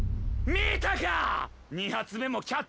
見たかッ！